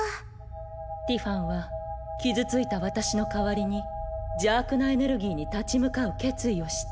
ティファンは傷ついた私の代わりに邪悪なエネルギーに立ち向かう決意をした。